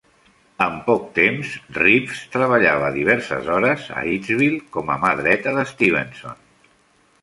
En poc temps, Reeves treballava diverses hores a Hitsville com a mà dreta de Stevenson.